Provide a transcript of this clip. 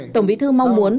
tổng bí thư mong muốn